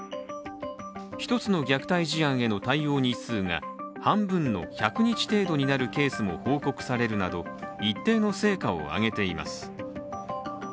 １つの虐待事案への対応日数が半分の１００日程度になるケースも報告されるなど、一定の成果を上げています。